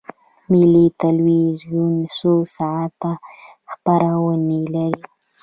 ملي تلویزیون څو ساعته خپرونې لري؟